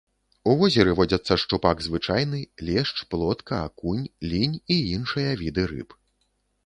У возеры водзяцца шчупак звычайны, лешч, плотка, акунь, лінь і іншыя віды рыб.